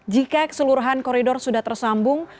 jika keseluruhan koridor sudah tersambung